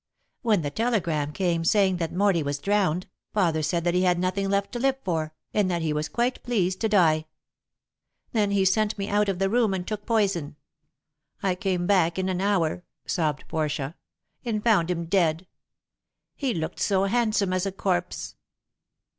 When the telegram came saying that Morley was drowned, father said that he had nothing left to live for, and that he was quite pleased to die. Then he sent me out of the room and took poison. I came back in an hour," sobbed Portia, "and found him dead. He looked so handsome as a corpse."